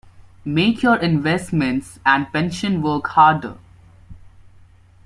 Make your investments and pension work harder.